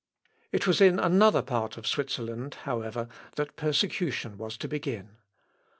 ] It was in another part of Switzerland, however, that persecution was to begin.